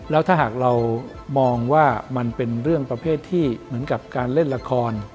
แล้วถ้าหากเรามองว่ามันเป็นเรื่องประเภทที่เหมือนกับการเล่นละคร